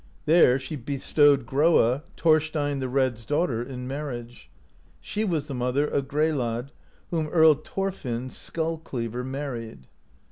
There she bestowed Groa, Thorstein the Red's daughter, in marriage; she was the mother of Grelad, whom Earl Thorfinn, Skull cleaver, married.